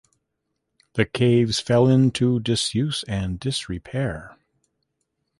The caves fell into disuse and disrepair.